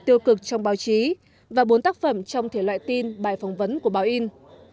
tiêu cực trong báo chí và bốn tác phẩm trong thể loại tin bài phỏng vấn của báo in